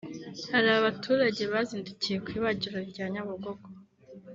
Hari abaturage bazindukiye ku ibagiro rya Nyabugogo